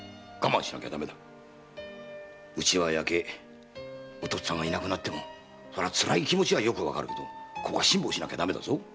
家が焼けお父っつぁんがいなくなっても辛い気持ちはよくわかるが辛抱しなきゃだめだぞ。